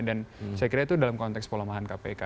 dan saya kira itu dalam konteks pelemahan kpk